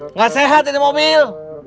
nggak sehat ini mobil